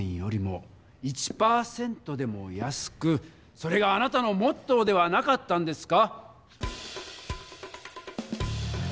それがあなたのモットーではなかったんですか？